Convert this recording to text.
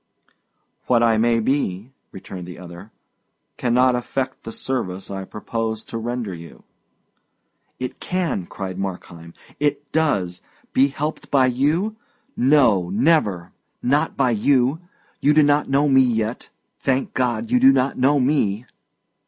"What I may be," returned the other, "cannot affect the service I propose to render you." "It can," cried Markheim; "it does! Be helped by you? No, never; not by you! You do not know me yet; thank God, you do not know me!"